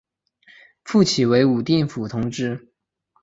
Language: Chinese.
复起为武定府同知。